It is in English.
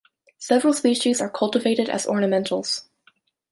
Several species are cultivated as ornamentals.